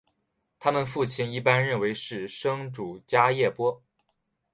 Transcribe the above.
他们的父亲一般认为是生主迦叶波。